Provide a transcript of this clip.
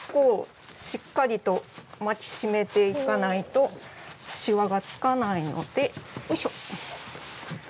しっかりと巻き締めていかないとしわがつかないのでよいしょ。